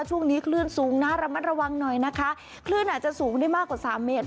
ช่วงนี้คลื่นสูงนะระมัดระวังหน่อยนะคะคลื่นอาจจะสูงได้มากกว่าสามเมตร